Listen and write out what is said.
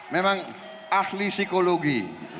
memang ahli psikologi